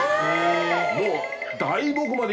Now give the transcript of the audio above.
もう。